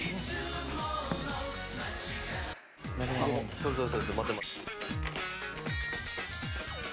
そうそうそうそう。